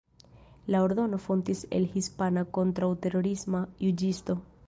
La ordono fontis el hispana kontraŭterorisma juĝisto.